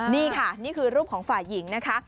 นี่ค่ะนี่คือรูปของฝ่ายหญิงนะคะ